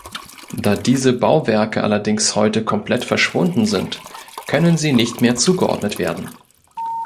Da diese Bauwerke allerdings heute komplett verschwunden sind, können sie nicht mehr zugeordnet werden.